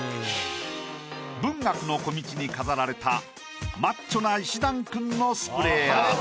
文学の小径に飾られたマッチョないしだんくんのスプレーアート。